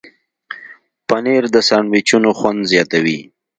پنېر د ساندویچونو خوند زیاتوي.